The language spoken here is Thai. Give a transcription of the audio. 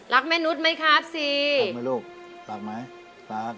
แม่นุษย์ไหมครับซีรักไหมลูกฝากไหมฝาก